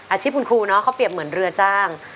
อาชีพคุณครูเนาะเขาเปรียบเหมือนเรือจ้าง